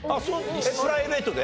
プライベートで？